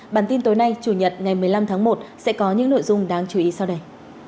bản tin tối nay chủ nhật ngày một mươi năm tháng một sẽ có những nội dung đáng chú ý sau đây